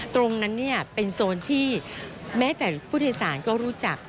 ตรงนั้นเป็นโซนที่แม้แต่ผู้โดยสารก็รู้จัก